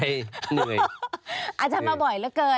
อาจารย์มาบ่อยเหลือเกิน